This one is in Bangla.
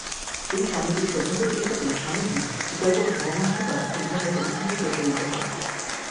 এই সমিতির সভ্যদের চেষ্টাতেই স্বামীজী চিকাগোর ধর্মমহাসভায় হিন্দুধর্মের প্রতিনিধিরূপে প্রেরিত হন।